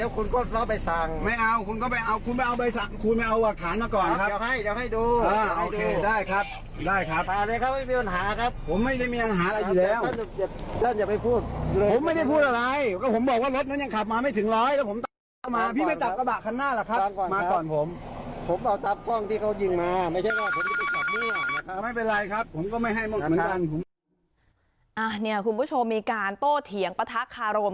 คุณผู้ชมมีการโต้เถียงปะทะคารม